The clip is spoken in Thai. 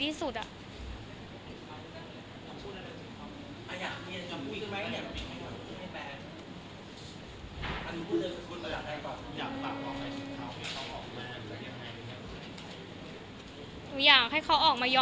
คิดเหมือนกันเลยว่า